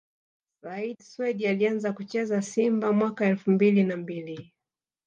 Said Swedi Alianza kucheza Simba mwaka elfu mbili na mbili